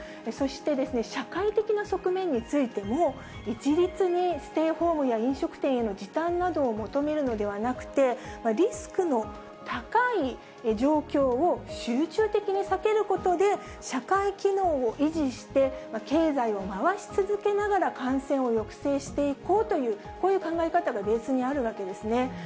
そして、社会的な側面についても、一律にステイホームや飲食店への時短などを求めるのではなくて、リスクの高い状況を集中的に避けることで、社会機能を維持して、経済を回し続けながら感染を抑制していこうという、こういう考え方がベースにあるわけですね。